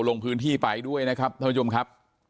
ลงพื้นที่ไปด้วยนะครับท่านผู้ชมครับ